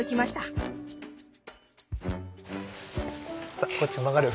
さあこっち曲がる。